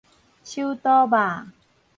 手肚肉